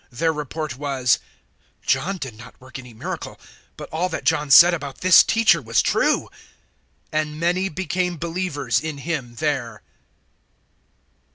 Their report was, "John did not work any miracle, but all that John said about this Teacher was true." 010:042 And many became believers in Him there.